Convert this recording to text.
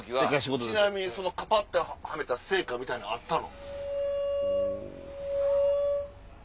ちなみにカパってはめた成果みたいなのはあったの？